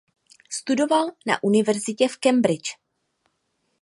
Studoval na Univerzitě v Cambridgi.